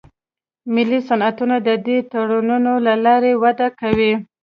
ملي صنعتونه د دې تړونونو له لارې وده کوي